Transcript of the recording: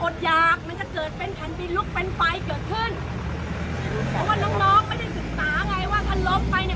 หยากมันจะเกิดเป็นแผ่นดินลุกเป็นไฟเกิดขึ้นเพราะว่าน้องน้องไม่ได้ศึกษาไงว่าท่านล้มไปเนี่ย